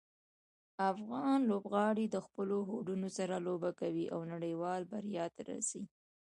افغان لوبغاړي د خپلو هوډونو سره لوبه کوي او نړیوالې بریا ته رسي.